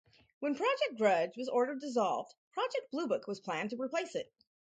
When Project Grudge was ordered dissolved, Project Blue Book was planned to replace it.